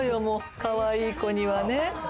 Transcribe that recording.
かわいい子にはね。